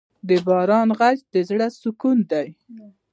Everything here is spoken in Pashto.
د باران ږغ د زړه سکون دی.